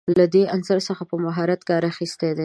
له دې عنصر څخه په مهارت کار اخیستی دی.